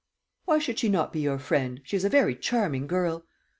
"Why should she not be your friend? She is a very charming girl."